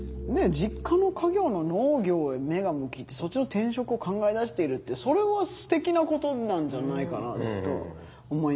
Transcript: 実家の家業の農業へ目が向きそっちの転職を考えだしているってそれはすてきなことなんじゃないかなと思いますけれども。